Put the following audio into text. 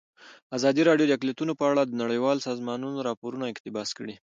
ازادي راډیو د اقلیتونه په اړه د نړیوالو سازمانونو راپورونه اقتباس کړي.